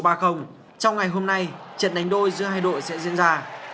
trong ngày hôm nay trận đánh đôi giữa hai đội sẽ diễn ra